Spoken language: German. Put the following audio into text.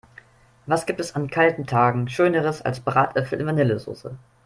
Was gibt es an kalten Tagen schöneres als Bratäpfel in Vanillesoße!